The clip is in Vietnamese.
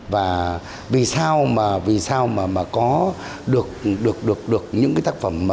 và vì sao mà có được những cái tác phẩm